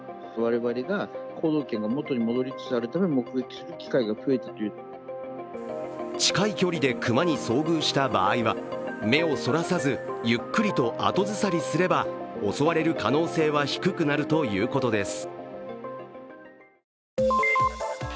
専門家は近い距離で熊に遭遇した場合は目をそらさずゆっくりと後ずさりすれば襲われる可能性は低くなるということです。